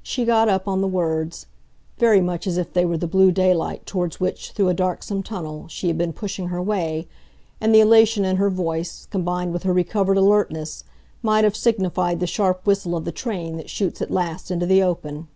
She got up, on the words, very much as if they were the blue daylight towards which, through a darksome tunnel, she had been pushing her way, and the elation in her voice, combined with her recovered alertness, might have signified the sharp whistle of the train that shoots at last into the open.